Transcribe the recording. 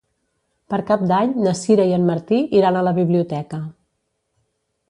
Per Cap d'Any na Sira i en Martí iran a la biblioteca.